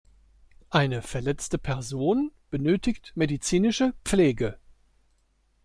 Eine verletzte Person benötigt medizinische Pflege.